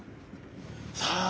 さあ